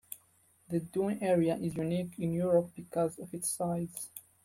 The dune area is unique in Europe because of its size.